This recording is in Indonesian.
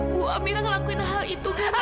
bu amira ngelakuin hal itu kan